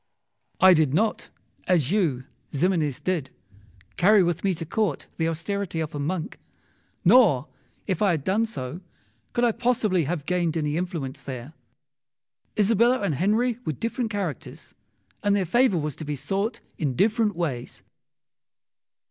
Wolsey. I did not, as you, Ximenes, did, carry with me to Court the austerity of a monk; nor, if I had done so, could I possibly have gained any influence there. Isabella and Henry were different characters, and their favour was to be sought in different ways.